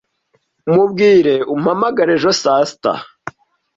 Mubwire umpamagare ejo saa sita.